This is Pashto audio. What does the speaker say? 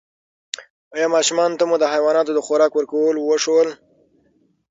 ایا ماشومانو ته مو د حیواناتو د خوراک ورکولو وښودل؟